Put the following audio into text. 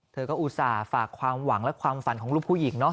เธอก็อุตส่าห์ฝากความหวังและความฝันของลูกผู้หญิงเนาะ